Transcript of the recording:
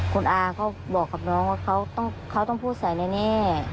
คุณอาเขาบอกกับน้องว่าเขาต้องพูดใส่แน่